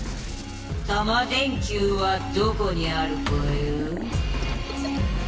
タマ電Ｑはどこにあるぽよ？